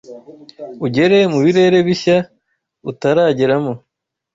ugere mu birere bishya utarageramo